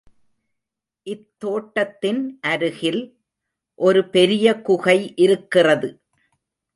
இத்தோட்டத்தின் அருகில் ஒரு பெரிய குகை இருக்கிறது.